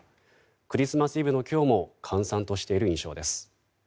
クリスマスイブの今日も閑散としている印象です。